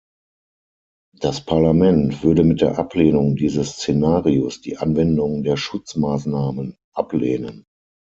Das Parlament würde mit der Ablehnung dieses Szenarios die Anwendung der Schutzmaßnahmen ablehnen.